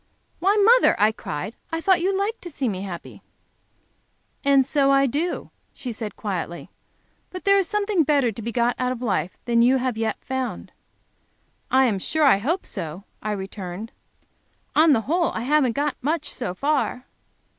"Why, mother!" I cried, "I thought you liked to see me happy!" "And so I do," she said, quietly. "But there is something better to get out of life than you have yet found." "I am sure I hope so," I returned. "On the whole, I haven't got much so far."